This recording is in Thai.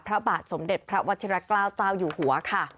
พระบาทสมเด็จพระวัชยกราชเจ้าอยู่หัว